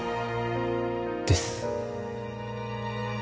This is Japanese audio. です